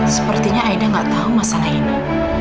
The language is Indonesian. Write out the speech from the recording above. sepertinya aida nggak tahu masalah ini